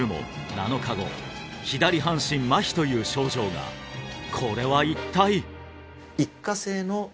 ７日後左半身麻痺という症状がこれは一体？